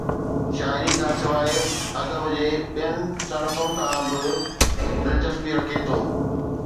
شاعري کان سواءِ ادب جي ٻين صنفن سان به دلچسپي رکي ٿو